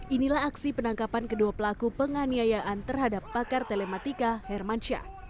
inilah aksi penangkapan kedua pelaku penganiayaan terhadap pakar telematika hermansyah